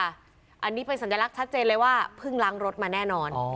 อันนี้เป็นสัญลักษณ์ชัดเจนเลยว่าเพิ่งล้างรถมาแน่นอน